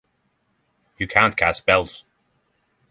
You can’t cast spells.